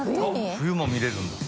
冬も見れるんだ。